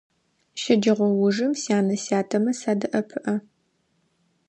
Щэджэгъоужым сянэ-сятэмэ садэӀэпыӀэ.